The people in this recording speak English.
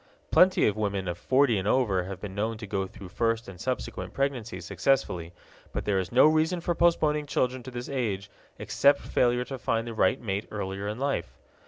Plenty of women of forty and over have been known to go through first and subsequent pregnancies successfully, but there is no reason for postponing children to this age except failure to find the right mate earlier in life.